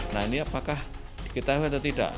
nah ini apakah diketahui atau tidak